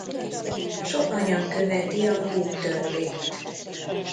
Sok anyag követi a Hooke-törvényt.